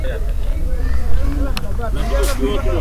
mali ya mtu haichukuliwi